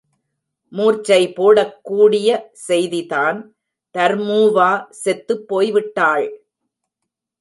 மூர்ச்சை போடக் கூடிய செய்திதான்... தர்மூவா செத்துப் பேய் விட்டாள்?